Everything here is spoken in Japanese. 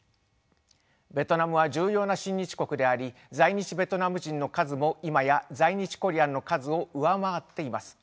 ベトナムは重要な親日国であり在日ベトナム人の数も今や在日コリアンの数を上回っています。